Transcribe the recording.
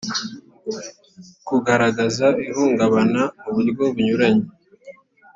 kugaragaza ihungabana mu buryo bunyuranye